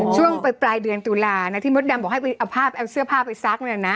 ช่วงไปปลายเดือนตุลาที่มศดำบอกให้เอาเสื้อผ้าไปซัก